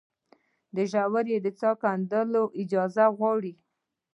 د ژورې څاه کیندل اجازه غواړي؟